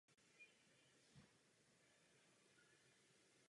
Obnovil vydávání listu Dorost.